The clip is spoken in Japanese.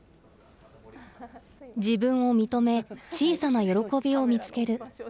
自分を認め、小さな喜びを見つける。